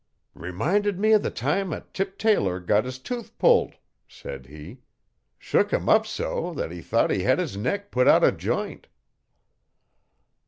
'Reminded me o' the time 'at Tip Taylor got his tooth pulled,' said he. 'Shook 'im up so 'at he thought he'd had his neck put out o' ji'nt.'